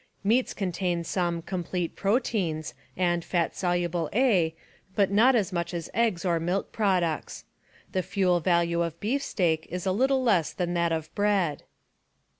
Meats contain some "complete proteins" and "fat soluble A," but not as much as eggs or milk products. The fuel value of beef steak is a little less than that of bread.